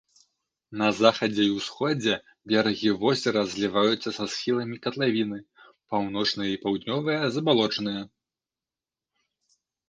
На захадзе і ўсходзе берагі возера зліваюцца са схіламі катлавіны, паўночныя і паўднёвыя забалочаныя.